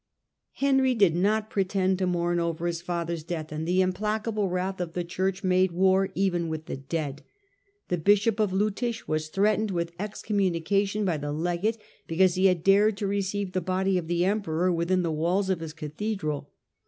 Henry did not pretend to mourn over his father's death, and the implacable wrath of the Church made war even with the dead. The bishop of Ltittich was threatened with exconmiunication by the legate, because he had dared to receive the body of the emperor within the walls of his cathedral.